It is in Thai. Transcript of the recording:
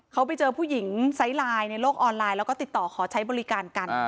เขาไปเจอผู้หญิงไซส์ไลน์ในโลกออนไลน์แล้วก็ติดต่อขอใช้บริการกัน